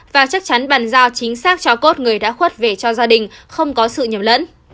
và chắc chắn bàn giao chính xác cho cốt người đã khuất về cho gia đình không có sự nhầm lẫn